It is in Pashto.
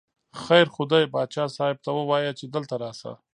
خیر خو دی، باچا صاحب ته ووایه چې دلته راشه.